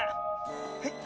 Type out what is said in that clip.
えっ⁉